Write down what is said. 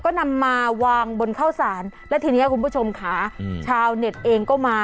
ก็นำมาวางบนเข้าสารและทีนี้คุณผู้ชมค่ะชาวเน็ตเองก็มา